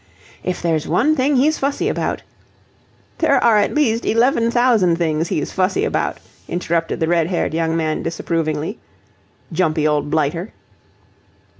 "If there's one thing he's fussy about..." "There are at least eleven thousand things he's fussy about," interrupted the red haired young man disapprovingly. "Jumpy old blighter!"